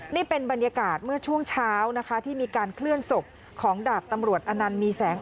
นี่เป็นบรรยากาศเมื่อช่วงเช้านะคะที่มีการเคลื่อนศพของดาบตำรวจอนันต์มีแสง